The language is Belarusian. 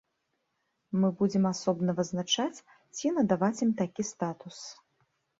Мы будзем асобна вызначаць, ці надаваць ім такі статус.